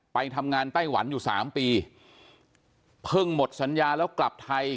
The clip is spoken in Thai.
ไปทำงานไต้หวันอยู่สามปีเพิ่งหมดสัญญาแล้วกลับไทย